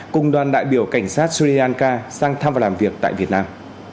cùng đoàn đại biểu cảnh sát suriyanka sang thăm và làm việc tại việt nam